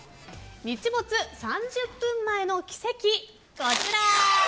日没３０分前の奇跡、こちら。